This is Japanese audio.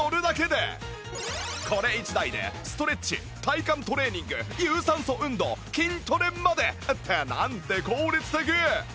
これ１台でストレッチ体幹トレーニング有酸素運動筋トレまでってなんて効率的！